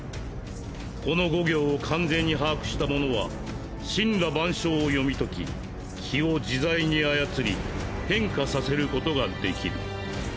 この五行を完全に把握した者は森羅万象を読み解き気を自在に操り変化させることができる。